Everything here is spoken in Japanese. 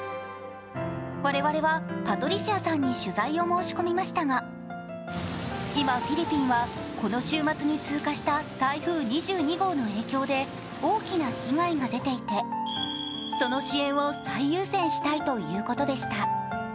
我々は、パトリシアさんに取材を申し込みましたが、今、フィリピンはこの週末に通過した台風２２号の影響で大きな被害が出ていてその支援を最優先したいということでした。